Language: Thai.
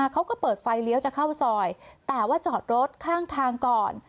เขาก็เปิดไฟเลี้ยวจะเข้าซอยแต่ว่าจอดรถข้างทางก่อน